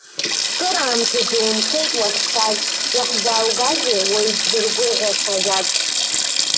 Кыраамҭагьы унхеит уахьцаз, иаҳзааугазеи уаҩ дзыргәырӷьаша ажәабжьс?